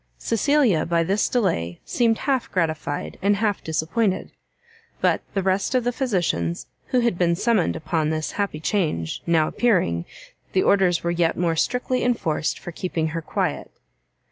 Cecilia by this delay seemed half gratified, and half disappointed; but the rest of the physicians, who had been summoned upon this happy change, now appearing, the orders were yet more strictly enforced for keeping her quiet.